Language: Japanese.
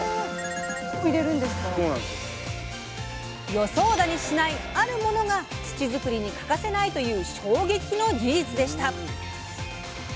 予想だにしないあるものが土作りに欠かせないという衝撃の事実でした！